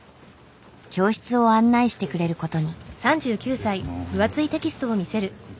教室を案内してくれることに。